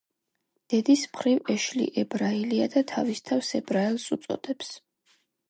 დედის მხრივ ეშლი ებრაელია და თავის თავს ებრაელს უწოდებს.